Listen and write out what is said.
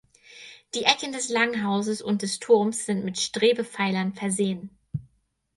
Die Ecken des Langhauses und des Turms sind mit Strebepfeilern versehen.